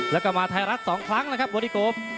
แล้วก็มาไทรัสสองครั้งนะครับ